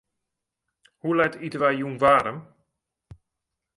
Hoe let ite wy jûn waarm?